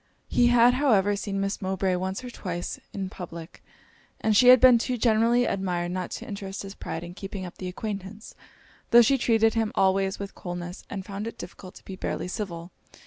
He had, however, seen Miss Mowbray once or twice in public, and she had been too generally admired not to interest his pride in keeping up the acquaintance, tho' she treated him always with coldness, and found it difficult to be barely civil.